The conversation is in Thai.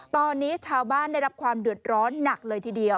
ตอนนี้ชาวบ้านได้รับความเดือดร้อนหนักเลยทีเดียว